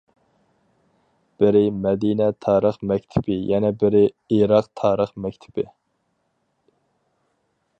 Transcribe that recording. بىرى مەدىنە تارىخ مەكتىپى يەنە بىرى ئىراق تارىخ مەكتىپى.